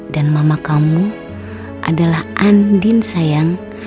dan mama kamu adalah andin sayang